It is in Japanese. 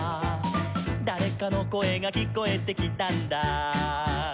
「だれかのこえがきこえてきたんだ」